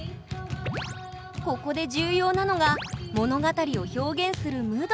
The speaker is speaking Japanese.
ここで重要なのが物語を表現するムドラー。